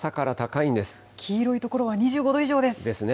黄色い所は２５度以上です。ですね。